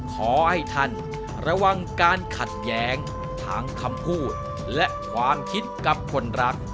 ขอให้ท่านระวังการขัดแย้งทั้งคำพูดและความคิดกับคนรัก